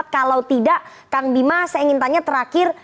kalau tidak kang bima saya ingin tanya terakhir